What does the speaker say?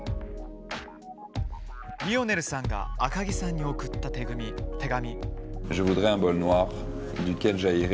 リオネルさんが赤木さんに送った手紙。